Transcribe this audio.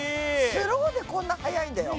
スローでこんな速いんだよ。